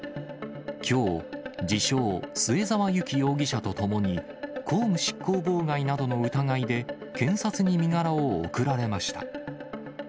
きょう、自称、末澤有希容疑者と共に、公務執行妨害などの疑いで検察に身柄を送られました。